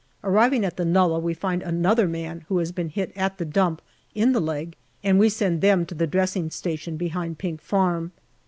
Arriving at the nullah, we find another man who has been hit at the dump, in the leg, and we send them to the dressing station behind Pink Farm.